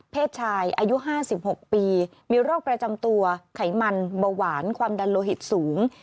ชายอายุ๕๖ปีมีโรคประจำตัวไขมันเบาหวานความดันโลหิตสูง